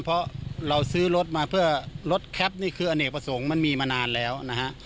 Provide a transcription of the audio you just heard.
เพราะเราซื้อรถมาเพื่อลดแคปนี่คืออเนกประสงค์มันมีมานานแล้วนะฮะ